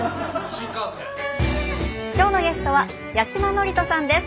今日のゲストは八嶋智人さんです。